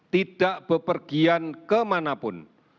tidak bepergian kemanapun